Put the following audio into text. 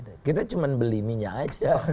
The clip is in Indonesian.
tidak ada kita cuma beli minyak aja